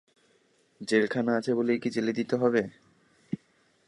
জেলখানা আছে বলেই কি জেলে দিতে হবে!